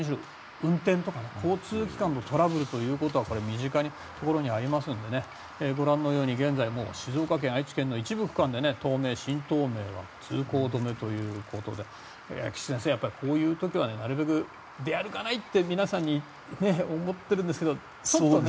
運転や交通機関のトラブルは身近なところにありますので現在、もう静岡県、愛知県の一部区間で東名、新東名は通行止めということで菊地先生、こういう時はなるべく出歩かないようにと思っているんですがなかなかね。